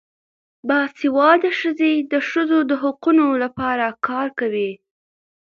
باسواده ښځې د ښځو د حقونو لپاره کار کوي.